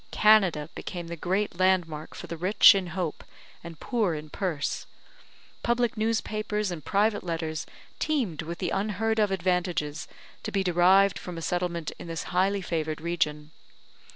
Canada became the great land mark for the rich in hope and poor in purse. Public newspapers and private letters teemed with the unheard of advantages to be derived from a settlement in this highly favoured region.